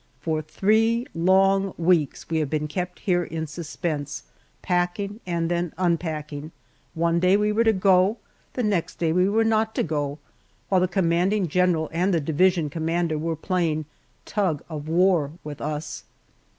For three long weeks we have been kept here in suspense packing and then unpacking one day we were to go, the next we were not to go, while the commanding general and the division commander were playing "tug of war" with us.